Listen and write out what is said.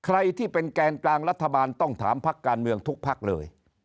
ใครที่เป็นแกนกลางรัฐบาลต้องถามพักการเมืองทุกภักดิ์เลย